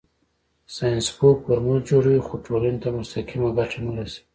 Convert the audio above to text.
ساینسپوه فورمول جوړوي خو ټولنې ته مستقیمه ګټه نه رسوي.